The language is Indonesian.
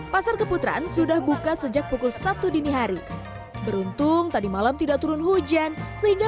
pasar keputaran sudah buka sejak pukul satu dini hari beruntung tadi malam tidak turun hujan sehingga